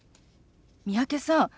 三宅さん